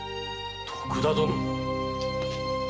徳田殿。